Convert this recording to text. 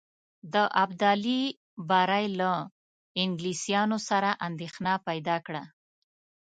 د ابدالي بری له انګلیسیانو سره اندېښنه پیدا کړه.